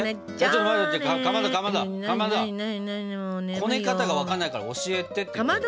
こね方が分かんないから教えてって言ってるの。